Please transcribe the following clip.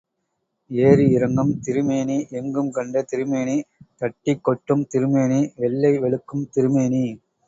ஏறி இறங்கும் திருமேனி, எங்கும் கண்ட திருமேனி, தட்டிக் கொட்டும் திருமேனி, வெள்ளை வெளுக்கும் திருமேனி.